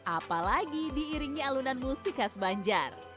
apalagi diiringi alunan musik khas banjar